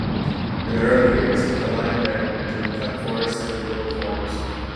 In the early years, the line ran through cut forest and rural farms.